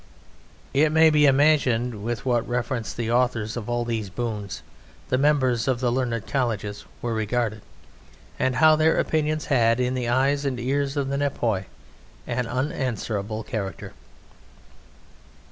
It may be imagined with what reverence the authors of all these boons, the members of the learned colleges, were regarded; and how their opinions had in the eyes and ears of the Nepioi an unanswerable character.